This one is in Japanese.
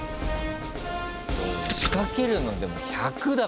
そう仕掛けるのでも１００だからね。